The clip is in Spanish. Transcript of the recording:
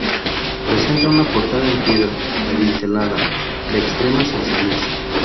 Presenta una portada en piedra, adintelada, de extrema sencillez.